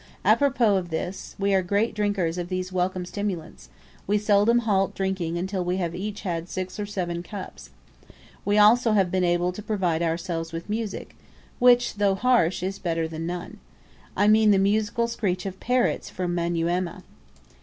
Apropos of this, we are great drinkers of these welcome stimulants; we seldom halt drinking until we have each had six or seven cups. We have also been able to provide ourselves with music, which, though harsh, is better than none. I mean the musical screech of parrots from Manyuema.